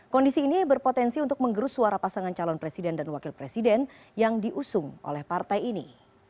kondisi ini berpotensi untuk menggerus suara pasangan calon presiden dan wakil presiden yang diusung oleh partai ini